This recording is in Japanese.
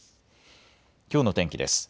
きょうの天気です。